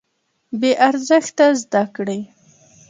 بې ارزښته زده کړې.